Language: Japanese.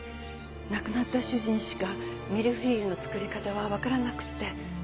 亡くなった主人しかミルフィーユの作り方はわからなくて。